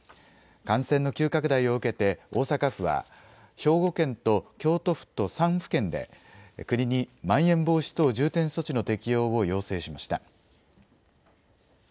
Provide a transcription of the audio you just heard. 感染の急拡大を受けて大阪府は、兵庫県と京都府と３府県で国にまん延防止等重点措置の適用を要請しました。